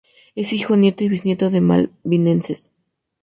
Es hijo, nieto y bisnieto de malvinenses.